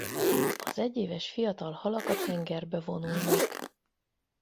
Az egyéves fiatal halak a tengerbe vonulnak.